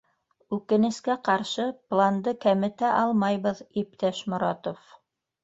Үкенескә ҡаршы, планды кәметә алмайбыҙ, иптәш Моратов.